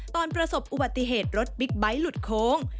ประสบอุบัติเหตุรถบิ๊กไบท์หลุดโค้ง